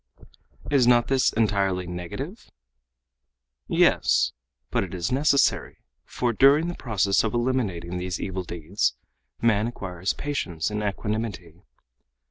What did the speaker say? "Is not this entirely negative?" "Yes, but it is necessary, for during the process of eliminating these evil deeds, man acquires patience and equanimity.